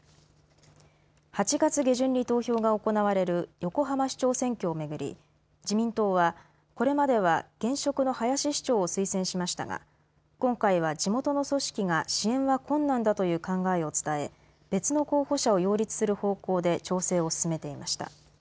８月下旬に投票が行われる横浜市長選挙をめぐり自民党は、これまでは現職の林市長を推薦しましたが今回は、地元の組織が支援は困難だという考えを伝え別の候補者を擁立する方向で調整を進めていました。